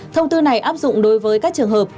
thông tư này áp dụng đối với các trường hợp